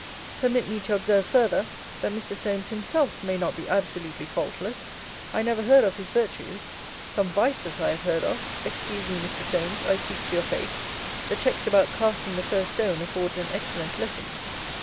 Permit me to observe further, That Mr. Solmes himself may not be absolutely faultless. I never head of his virtues. Some vices I have heard of Excuse me, Mr. Solmes, I speak to your face The text about casting the first stone affords an excellent lesson.